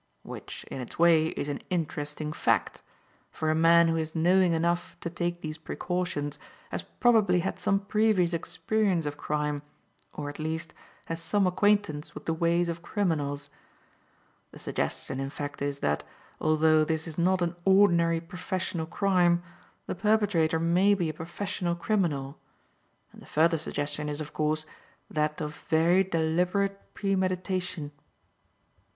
Which, in its way, is an interesting fact, for a man who is knowing enough to take these precautions has probably had some previous experience of crime, or, at least, has some acquaintance with the ways of criminals. The suggestion, in fact, is that, although this is not an ordinary professional crime, the perpetrator may be a professional criminal. And the further suggestion is, of course, that of very deliberate premeditation."